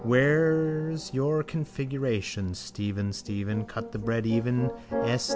_ Where's your configuration? Stephen, Stephen, cut the bread even. S.